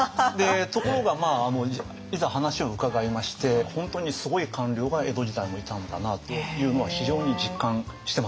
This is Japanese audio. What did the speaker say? ところがいざ話を伺いまして本当にすごい官僚が江戸時代もいたんだなというのは非常に実感してますよね。